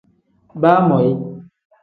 Baamoyi.